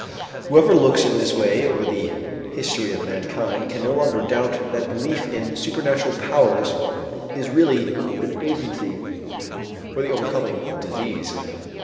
Whoever looks in this way over the history of mankind can no longer doubt that belief in supernatural powers is really an agency for the overcoming of disease.